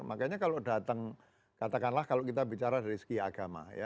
makanya kalau datang